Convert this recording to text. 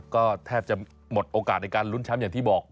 ก็แทบจะหมดโอกาสในการลุ้นแชมป์อย่างที่บอก